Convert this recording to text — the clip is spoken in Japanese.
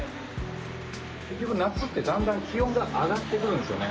結局夏ってだんだん気温が上がってくるんですよね。